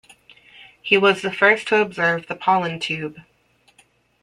He was the first to observe the pollen tube.